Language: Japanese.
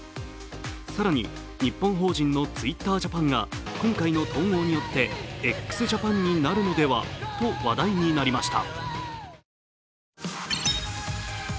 更に日本法人のＴｗｉｔｔｅｒＪａｐａｎが今回の統合によってＸＪＡＰＡＮになるのではと話題になりました。